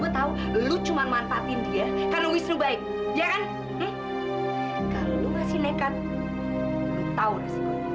ya udah aku antri